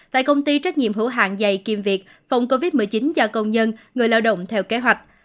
tại công ty trách nhiệm hữu hạng dày kim việt phòng covid một mươi chín cho công nhân người lao động theo kế hoạch